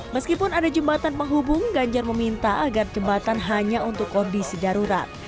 meskipun ada jembatan penghubung ganjar meminta agar jembatan hanya untuk kondisi darurat